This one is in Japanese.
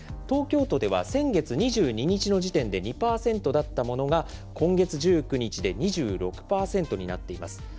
東京都では先月２２日の時点で２％だったものが今月１９日で２６％になっています。